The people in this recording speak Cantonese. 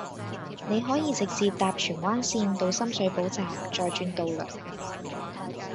你可以直接搭荃灣綫到深水埗站再轉渡輪